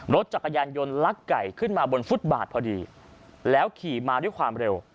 รถจักรยานยนต์ลักไก่ขึ้นมาบนฟุตบาทพอดีแล้วขี่มาด้วยความเร็ว